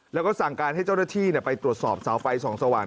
แล้วก็สั่งการให้เจ้าหน้าที่ไปตรวจสอบเสาไฟส่องสว่าง